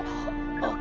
あっ。